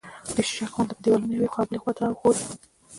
د شیشکو غوندې په دېوالونو یوې او بلې خوا ته ښوري